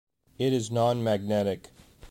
It is nonmagnetic.